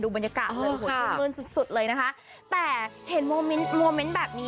ดูบรรยากาศเลยหัวชื่นเงินสุดสุดเลยนะคะแต่เห็นโมเมนต์แบบนี้